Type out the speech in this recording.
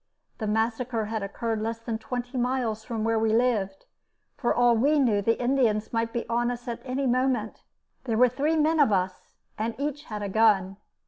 The massacre had occurred less than twenty miles from where we lived. For all we knew the Indians might be on us at any moment. There were three men of us, and each had a gun.